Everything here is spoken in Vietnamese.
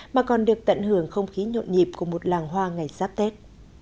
mà còn được tận hưởng không khí nhộn nhịp của một làng hoa ngày giáp tết